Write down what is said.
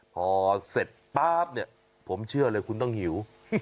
พอเสร็จป๊าบเนี่ยผมเชื่อเลยคุณต้องหิว